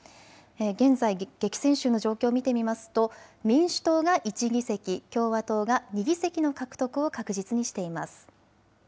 現在、激戦州の状況を見てみますと民主党が１議席、共和党が２議席の獲得を確実にしています。